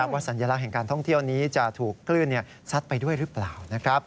สัญลักษณ์แห่งการท่องเที่ยวนี้จะถูกคลื่นซัดไปด้วยหรือเปล่า